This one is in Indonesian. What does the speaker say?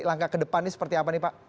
langkah ke depan ini seperti apa pak